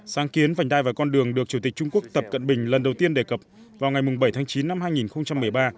sáng kiến vành đai và con đường được chủ tịch trung quốc tập cận bình lần đầu tiên đề cập vào ngày bảy tháng chín năm hai nghìn một mươi ba